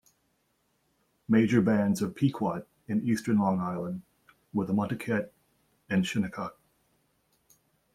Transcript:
Major bands of Pequot in eastern Long Island were the Montaukett and Shinnecock.